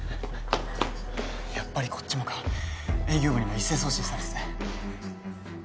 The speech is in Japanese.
やっぱりこっちもか営業部にも一斉送信されてて。